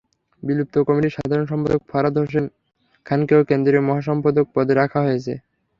বিলুপ্ত কমিটির সাধারণ সম্পাদক ফরহাদ হোসেন খানকেও কেন্দ্রীয় সহসম্পাদক পদে রাখা হয়েছে।